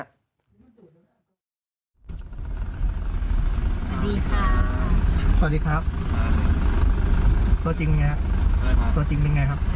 สวัสดีค่ะสวัสดีครับตัวจริงไงครับตัวจริงเป็นไงครับ